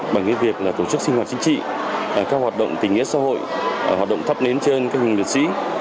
bằng việc tổ chức sinh hoạt chính trị các hoạt động tình nghĩa xã hội hoạt động thắp nến trên các hùng liệt sĩ